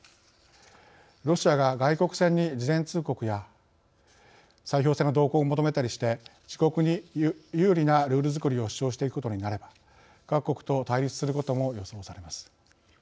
ロシアが外国船に事前通告や砕氷船の同行を求めたりして自国に有利なルールづくりを主張していくことになれば各国と対立することも予想されます。